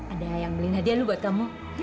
ada yang beli hadiah lu buat kamu